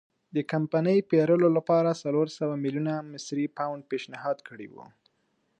د کمپنۍ پېرلو لپاره څلور سوه میلیونه مصري پونډ پېشنهاد کړي وو.